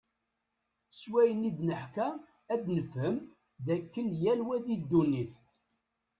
Seg wayen id-neḥka ad nefhem, d akken yal wa di ddunit.